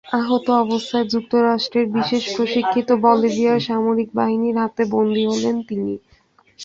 আহত অবস্থায় যুক্তরাষ্ট্রের বিশেষ প্রশিক্ষিত বলিভিয়ার সামরিক বাহিনীর হাতে বন্দী হলেন তিনি।